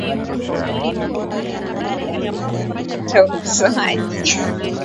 bora zaidi huko Uropa Lakini Waturuki wanakataa ukosoaji